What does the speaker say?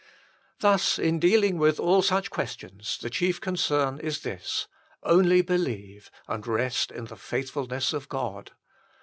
Thus in dealing with all such questions the chief concern is this :" only believe " and rest in the FAITHFULNESS OF GOD.